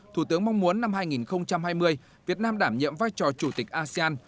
thủ tướng mong muốn năm hai nghìn hai mươi việt nam đảm nhiệm vai trò chủ tịch asean